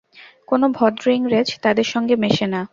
কোন ভদ্র ইংরেজ তাদের সঙ্গে মেশে না।